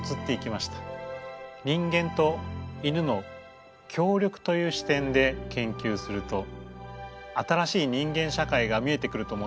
人間と犬の協力という視点で研究すると新しい人間社会が見えてくると思ってます。